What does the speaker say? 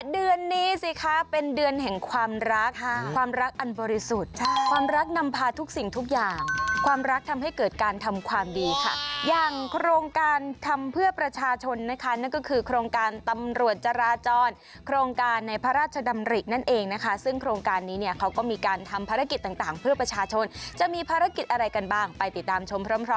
เดือนนี้สิคะเป็นเดือนแห่งความรักความรักอันบริสุทธิ์ความรักนำพาทุกสิ่งทุกอย่างความรักทำให้เกิดการทำความดีค่ะอย่างโครงการทำเพื่อประชาชนนะคะนั่นก็คือโครงการตำรวจจราจรโครงการในพระราชดำรินั่นเองนะคะซึ่งโครงการนี้เนี่ยเขาก็มีการทำภารกิจต่างเพื่อประชาชนจะมีภารกิจอะไรกันบ้างไปติดตามชมพร้อม